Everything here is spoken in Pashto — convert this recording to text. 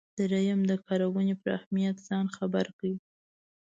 دریم د کارونې پر اهمیت ځان خبر کړئ.